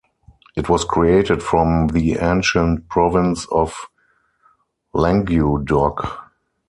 It was created from the ancient province of Languedoc.